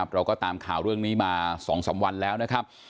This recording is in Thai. เราก็ตามข่าวเรื่องนี้มา๒๓วันแล้วนะครับ